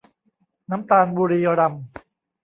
น้ำตาลบุรีรัมย์